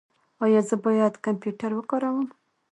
ایا زه باید کمپیوټر وکاروم؟